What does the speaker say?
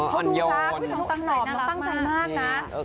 เขาดูครับคุณพี่น้องตังหน่อยน่าตั้งใจมากนะ